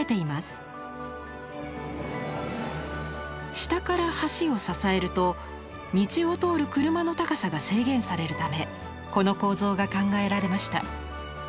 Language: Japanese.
下から橋を支えると道を通る車の高さが制限されるためこの構造が考えられました。